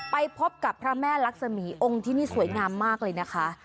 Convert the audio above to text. ไปพบกับพระแม่ลักษมีองค์ที่นี่สวยงามมากเลยนะคะ